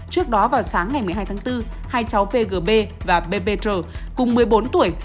trước đó vào sáng ngày một mươi hai tháng bốn hai cháu pgb và bpr cùng một mươi bốn tuổi